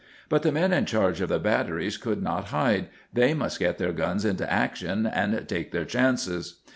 But the men in charge of the batteries could not hide. They must get their guns into action and take their chances.